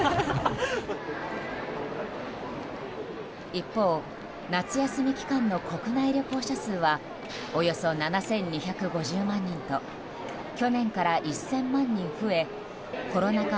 一方、夏休み期間の国内旅行者数はおよそ７２５０万人と去年から１０００万人増えコロナ禍